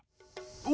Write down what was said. お！